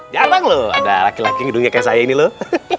galang loh ada laki laki gedungnya kayak saya ini loh